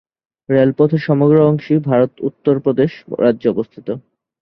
রেলপথের সমগ্র অংশই ভারতের উত্তর প্রদেশ রাজ্যে অবস্থিত।